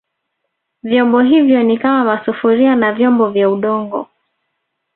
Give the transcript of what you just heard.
Vyombo hivyo ni kama masufuria na vyombo vya Udongo